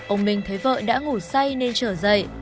ông minh thấy vợ đã ngủ say nên trở dậy